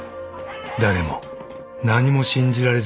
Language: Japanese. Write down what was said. ［誰も何も信じられずにいる］